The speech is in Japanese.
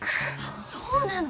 そうなの。